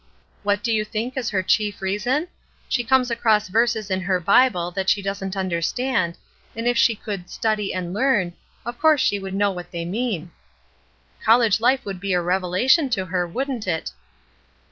— What do you think is her chief reason? She comes across verses in her Bible that she doesn't understand, and if she could 'study and learn/ of course she would know what they mean. College Mfe would be a revelation to her, wouldn't it?"